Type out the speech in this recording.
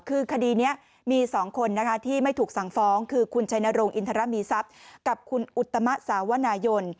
คือคดีนี้มี๒คนที่ไม่ถูกสั่งฟ้องคือคุณชัยนรงอินทรมีทรัพย์กับคุณอุตมะสาวนายน